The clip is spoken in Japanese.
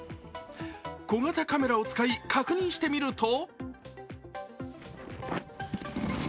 小型カメラを使い確認してみると。